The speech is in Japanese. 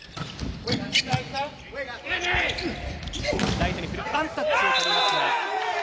ライトに振るワンタッチを取りましたが。